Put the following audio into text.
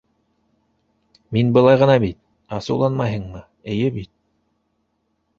Мин былай ғына бит, асыуланмайһыңмы, эйе бит?